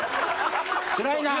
つらいなぁ！